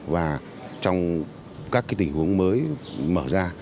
và trong các cái tình huống mới mở ra